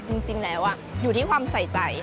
จริงแล้วอยู่ที่ความใส่ใจ